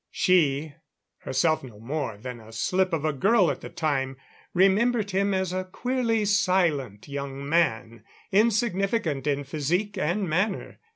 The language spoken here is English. She herself no more than a slip of a girl at that time remembered him as a queerly silent young man insignificant in physique and manner.